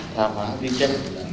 thảm hạ thiên chất